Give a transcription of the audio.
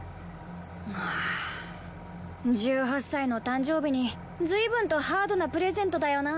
あ１８歳の誕生日にずいぶんとハードなプレゼントだよなぁ。